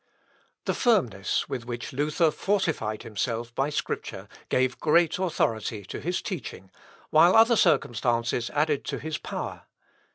The firmness with which Luther fortified himself by Scripture gave great authority to his teaching, while other circumstances added to his power.